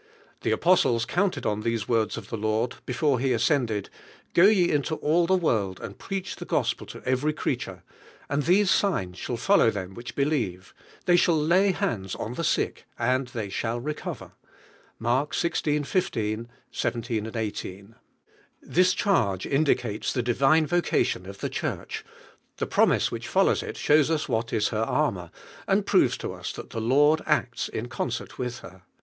The apostles counted on these 102 UrmtE UEALINfl. words of the Lord before He ascended, "Go ye into all the world and preach the Gospel to every creature ... and these signs shall follow them which believe ■ they shall lay bands on Hie sick and they snail recover" (Mark xvi, 15, 17, IS). This charge indicates the divine vocal inn of the Church; (he promise which Minus it shows ns what is her armour, and proves to ns that the Lord acts in concert with her.